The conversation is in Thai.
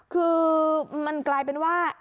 คือมันกลายเป็นว่า